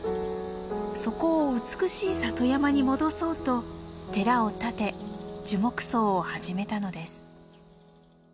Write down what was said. そこを美しい里山に戻そうと寺を建て樹木葬を始めたのです。